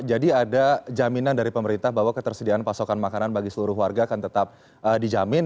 jadi ada jaminan dari pemerintah bahwa ketersediaan pasokan makanan bagi seluruh warga akan tetap dijamin